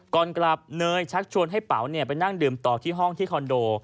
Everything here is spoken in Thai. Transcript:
ก่อนกลับเนยชักชวนให้เป๋าไปนั่งดื่มต่อที่ห้องที่คอนโด